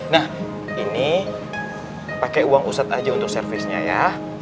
nah ini pakai uang ustadz aja untuk servisnya ya